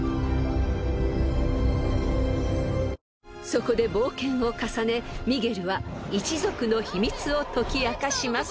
［そこで冒険を重ねミゲルは一族の秘密を解き明かします］